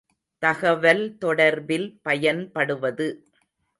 தகவல் தொடர்பில் பயன்படுவது.